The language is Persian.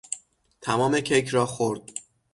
تمام کیک را خورد.